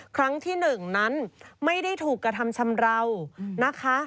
ครั้งที่๑นั้นไม่ได้ถูกกระทำชำราวนะคะ